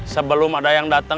sebelum ada yang datang